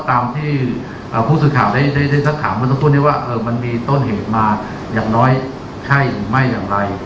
ตามที่ผู้สื่อข่าวได้สักถามเมื่อสักครู่นี้ว่ามันมีต้นเหตุมาอย่างน้อยใช่หรือไม่อย่างไร